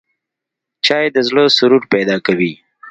چای د زړه سرور پیدا کوي